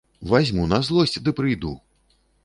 Вазьму на злосць ды прыйду.